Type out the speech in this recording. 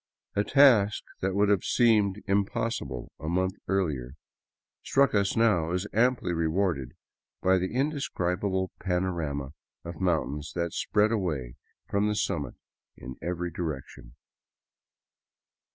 A task that would have seemed impossible a month earlier struck us now as amply re warded by the indescribable panorama of mountains that spread away from the summit in every direction.